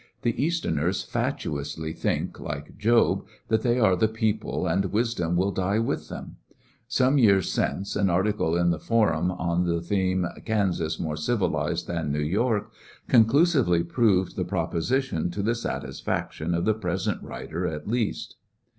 The Easterners fatuously think, like Job, that they are the people, and wisdom will die with them< 8ome years since, an article in the "Forum" on the theme, "Kansas more civi lized than T^ew York," conclusively proved the proposition to the satisfaction of the pres ent writer at least.